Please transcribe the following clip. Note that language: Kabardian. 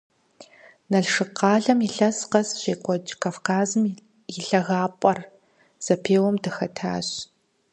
Налшык къалэм илъэс къэс щекӀуэкӀ «Кавказым и лъагапӀэхэр» зэпеуэм дыхэтащ.